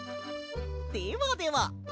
ではでは。